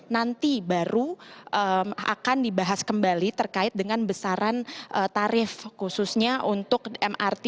nanti baru akan dibahas kembali terkait dengan besaran tarif khususnya untuk mrt